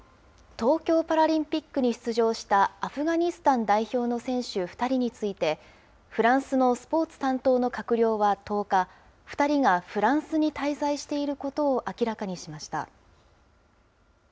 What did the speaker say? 東京パラリンピックに出場したアフガニスタン代表の選手２人について、フランスのスポーツ担当の閣僚は１０日、２人がフランスに滞在していることを明らかにしました。